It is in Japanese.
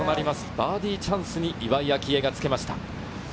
バーディーチャンスに岩井明愛がつけました。